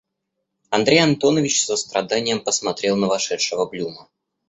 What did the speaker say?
Андрей Антонович со страданием посмотрел на вошедшего Блюма.